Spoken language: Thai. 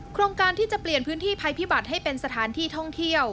โครงการที่จะเปลี่ยนพื้นที่ภัยพิบัติให้เป็นสถานที่ท่องเที่ยว